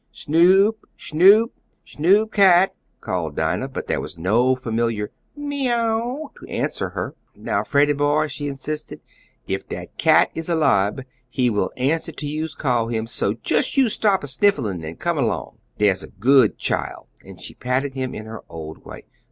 "Snoop! Snoop! Snoop Cat!" called Dinah, but there was no familiar "me ow" to answer her. "Now, Freddie boy," she insisted, "if dat cat is alibe he will answer if youse call him, so just you stop a sniffing and come along. Dere's a good chile," and she patted him in her old way.